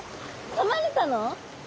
かまれたの？